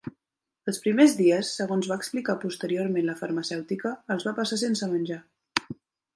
Els primers dies, segons va explicar posteriorment la farmacèutica, els va passar sense menjar.